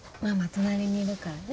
隣にいるからね。